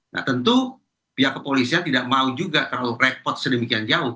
nah tentu pihak kepolisian tidak mau juga terlalu repot sedemikian jauh